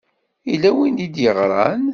Yella win i yi-d-yeɣṛan?